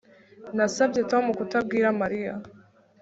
Nasabye Tom kutabwira Mariya